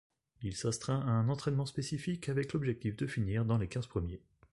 Il s'astreint à un entraînement spécifique avec l'objectif de finir dans les quinze premiers.